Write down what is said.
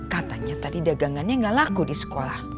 katanya tadi dagangannya gak laku di sekolah